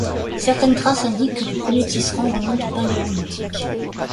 Certaines traces indiquent que les premiers tisserands remontent au Paléolithique.